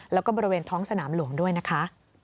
แล้วก็บริเวณท้องสนามหลวงด้วยนะคะ